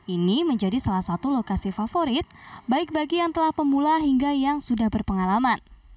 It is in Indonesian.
ini menjadi salah satu lokasi favorit baik bagi yang telah pemula hingga yang sudah berpengalaman